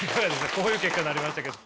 こういう結果になりましたけど。